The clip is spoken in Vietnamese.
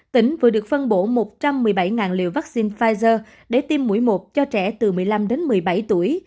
tỉnh vừa được phân bổ một trăm một mươi bảy liều vaccine pfizer để tiêm mũi một cho trẻ từ một mươi năm đến một mươi bảy tuổi